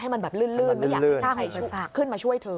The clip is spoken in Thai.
ให้มันแบบลื่นอยากขึ้นมาช่วยเธอ